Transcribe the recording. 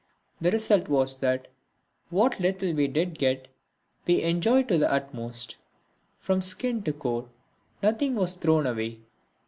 The result was that what little we did get we enjoyed to the utmost; from skin to core nothing was thrown away.